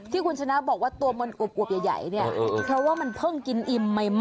ที่คุณชนะบอกว่าตัวมันอวบใหญ่เนี่ยเพราะว่ามันเพิ่งกินอิ่มใหม่